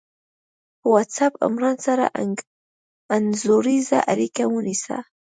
په وټس آپ عمران سره انځوریزه اړیکه ونیسه